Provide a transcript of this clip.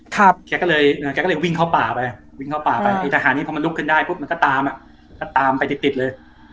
แกก็เลยวิ่งเข้าป่าไปไอทหารนี้พอมันลุกขึ้นได้มันก็ตามไปติดเลย